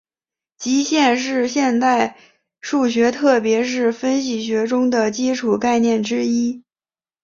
极限是现代数学特别是分析学中的基础概念之一。